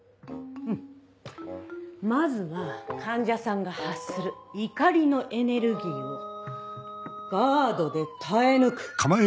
うんまずは患者さんが発する怒りのエネルギーをガードで耐え抜く。